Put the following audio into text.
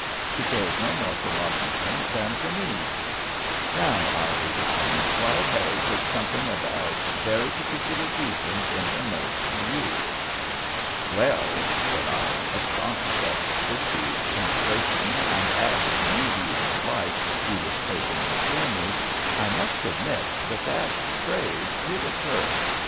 She cares no more for Larkington than for me. Now, I'll be bound Wild Harrie put something about very particular reasons in her note to you." "Well," said I, astonished at Spiffy's penetration, and at the new views of life he was placing before me, "I must admit that that phrase did occur."